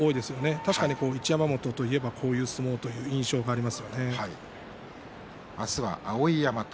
確かに一山本といえば、こういう相撲という印象があります。